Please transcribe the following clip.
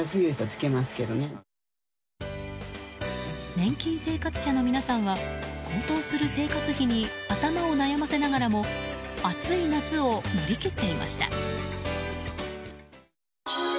年金生活者の皆さんは高騰する生活費に頭を悩ませながらも暑い夏を乗り切っていました。